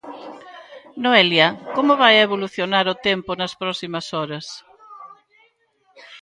Noelia, como vai evolucionar o tempo nas próximas horas?